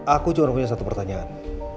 aku cuma punya satu pertanyaan